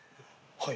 はい。